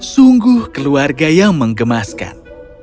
sungguh keluarga yang mengemaskan